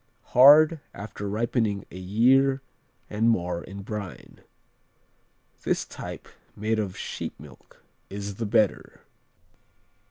Hard, after ripening a year and more in brine. The type made of sheep milk is the better.